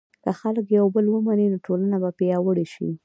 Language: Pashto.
که خلک یو بل ومني، نو ټولنه به پیاوړې شي.